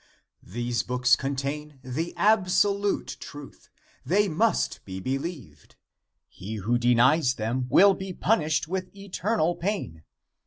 These books contain the absolute truth. They must be believed. He who denies them will be punished with eternal pain.